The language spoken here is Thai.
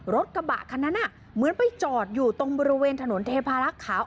รถกระบะคันนั้นเหมือนไปจอดอยู่ตรงบริเวณถนนเทพารักษ์ขาว